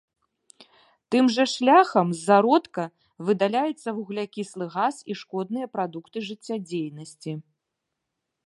Тым жа шляхам з зародка выдаляецца вуглякіслы газ і шкодныя прадукты жыццядзейнасці.